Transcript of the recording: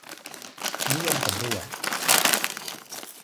นิยมสำรวจ